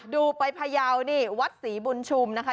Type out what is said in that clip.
ดูไปพยาวนี่วัดศรีบุญชุมนะคะ